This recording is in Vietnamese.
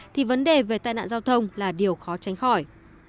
thì vấn đề về tai nạn giao thông là điều khó tránh khỏi